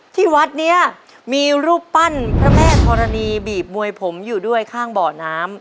ที่วัดนี้มีรูปปั้นพระแม่ธรณีบีบมวยผมอยู่ด้วยข้างเบาะน้ำ